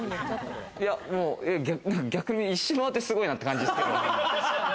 逆に一周回ってすごいなって感じですけど。